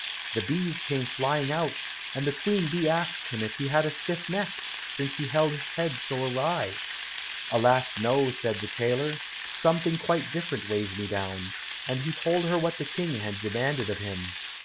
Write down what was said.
The bees came flying out, and the Queen bee asked him if he had a stiff neck, since he held his head so awry? "Alas, no," answered the tailor, "something quite different weighs me down," and he told her what the King had demanded of him.